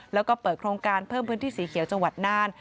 แล้วก็เปิดโครงการเพิ่มพื้นที่สีเขียวจังหวัดน่าน